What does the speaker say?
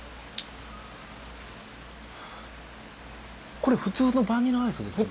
これ普通のバニラアイスですよね？